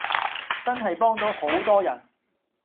真係幫到好多人